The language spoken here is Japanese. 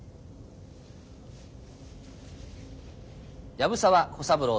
藪沢小三郎